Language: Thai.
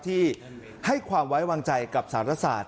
ที่ให้ความไว้วางใจกับสารศาสต